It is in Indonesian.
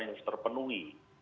yang harus terpenuhi